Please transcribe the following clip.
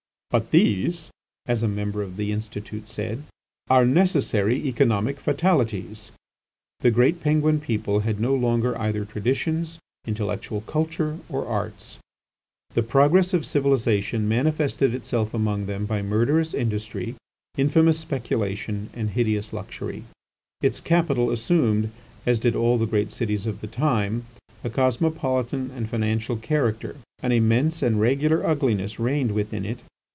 "But these," as a member of the Institute said, "are necessary economic fatalities." The great Penguin people had no longer either traditions, intellectual culture, or arts. The progress of civilisation manifested itself among them by murderous industry, infamous speculation, and hideous luxury. Its capital assumed, as did all the great cities of the time, a cosmopolitan and financial character. An immense and regular ugliness reigned within it.